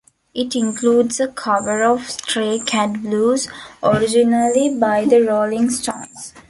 It includes a cover of "Stray Cat Blues" originally by The Rolling Stones.